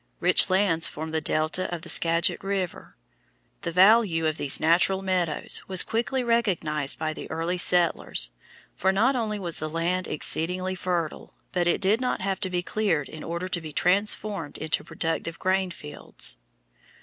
Rich lands form the delta of the Skagit River. The value of these natural meadows was quickly recognized by the early settlers, for not only was the land exceedingly fertile, but it did not have to be cleared in order to be transformed into productive grain fields.